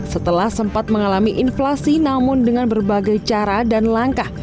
setelah sempat mengalami inflasi namun dengan berbagai cara dan langkah